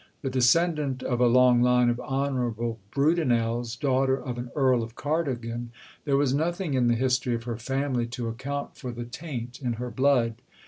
The descendant of a long line of honourable Brudenells, daughter of an Earl of Cardigan, there was nothing in the history of her family to account for the taint in her blood.